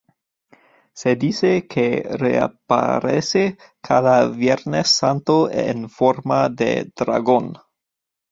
Se dice que reaparece cada viernes santo en forma de dragón.